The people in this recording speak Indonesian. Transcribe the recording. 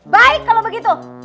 baik kalau begitu